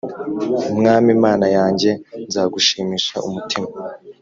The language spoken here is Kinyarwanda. Mwami mana yanjye nzagushimisha umutima